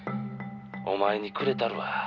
「お前にくれたるわ」